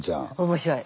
面白い。